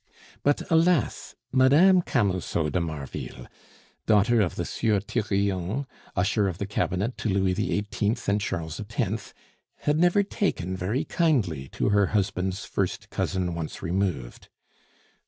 But, alas! Mme. Camusot de Marville, daughter of the Sieur Thirion, usher of the cabinet to Louis XVIII. and Charles X., had never taken very kindly to her husband's first cousin, once removed.